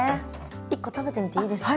１個食べてみていいですか？